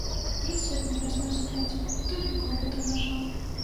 Тры сотні вясной заплаціў, і толькі клопату нажыў.